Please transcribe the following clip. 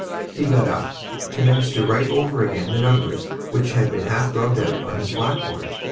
He got up, commenced to write over again the numbers which had been half rubbed out on his blackboard.